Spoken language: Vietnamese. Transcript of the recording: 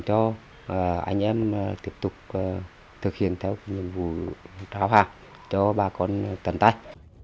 cho anh em tiếp tục thực hiện theo nhiệm vụ trao hàng cho bà con tận tay